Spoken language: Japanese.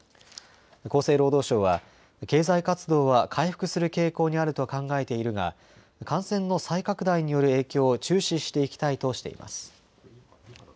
厚生労働省は経済活動は回復する傾向にあると考えているが感染の再拡大による影響を注視していきたいとしています。